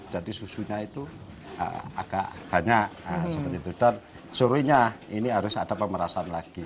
jadi susunya itu agak banyak dan suruhnya ini harus ada pemerasan lagi